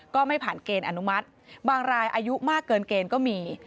ก็ไม่ผ่านเกณฑ์อนุมัติบางรายอายุมากเกินเกณฑ์ก็มี